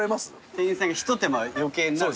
店員さんが一手間余計になる。